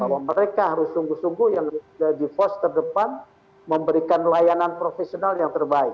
bahwa mereka harus sungguh sungguh yang jadi force terdepan memberikan layanan profesional yang terbaik